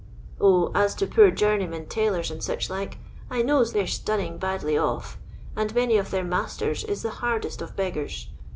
0, as to poor journeymen tailors and sich like, I knows they 're stunning badly off, and many of their masters is the hardest of beg gars.